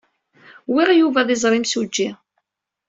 Wwiɣ Yuba ad iẓer imsujji.